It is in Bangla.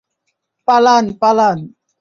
পালান, পালান!